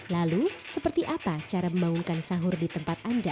lalu seperti apa cara membangunkan sahur di tempat anda